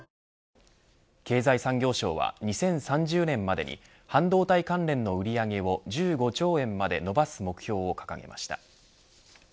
経済産業省は２０３０年までに半導体関連の売り上げを１５兆円まで伸ばす目標を掲げました。